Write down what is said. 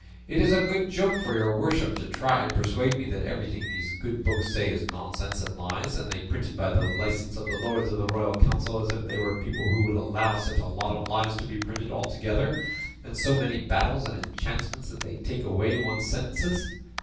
It is a good joke for your worship to try and persuade me that everything these good books say is nonsense and lies, and they printed by the license of the Lords of the Royal Council, as if they were people who would allow such a lot of lies to be printed all together, and so many battles and enchantments that they take away one's senses."